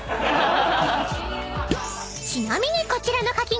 ［ちなみにこちらのかき氷］